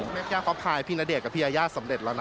แม่ย่าเขาพายพี่ณเดชนกับพี่ยายาสำเร็จแล้วนะ